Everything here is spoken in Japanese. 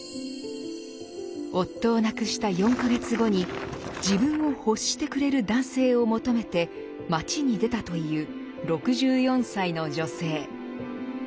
夫を亡くした４か月後に自分を欲してくれる男性を求めて街に出たという６４歳の女性。